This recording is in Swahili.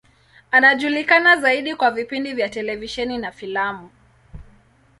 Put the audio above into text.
Anajulikana zaidi kwa vipindi vya televisheni na filamu.